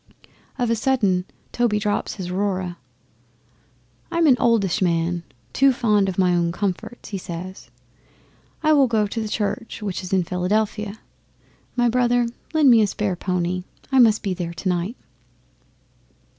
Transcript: Of a sudden Toby drops his Aurora. '"I am an oldish man, too fond of my own comforts," he says. "I will go to the Church which is in Philadelphia. My brother, lend me a spare pony. I must be there tomorrow night."